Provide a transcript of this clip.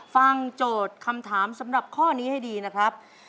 โจทย์คำถามสำหรับข้อนี้ให้ดีนะครับ